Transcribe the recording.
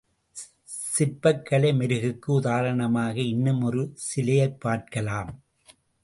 சிற்பக் கலை மெருகுக்கு உதாரணமாக இன்னும் ஒரு சிலையைப் பார்க்கலாம்.